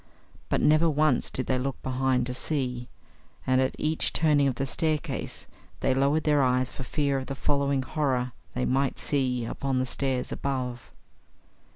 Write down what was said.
But never once did they look behind to see; and at each turning of the staircase they lowered their eyes for fear of the following horror they might see upon the stairs above.